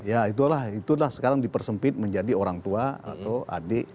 ya itulah itulah sekarang dipersempit menjadi orang tua atau adik